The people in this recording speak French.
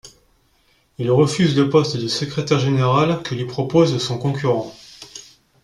Il refuse le poste de secrétaire général que lui propose son concurrent.